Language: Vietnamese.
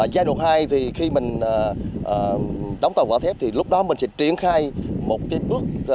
giai đoạn hai thì khi mình đóng tàu vỏ thép thì lúc đó mình sẽ triển khai một cái bước